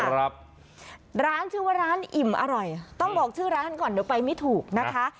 ครับร้านชื่อว่าร้านอิ่มอร่อยต้องบอกชื่อร้านก่อนเดี๋ยวไปไม่ถูกนะคะ